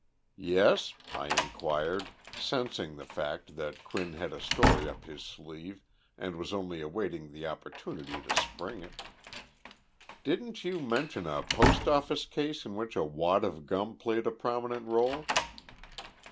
"Yes?" I inquired, sensing the fact that Quinn had a story up his sleeve and was only awaiting the opportunity to spring it. "Didn't you mention a post office case in which a wad of gum played a prominent role?"